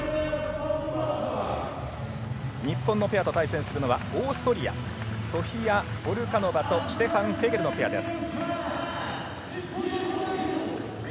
日本のペアと対戦するのはオーストリアソフィア・ポルカノバとシュテファン・フェゲルのペアです。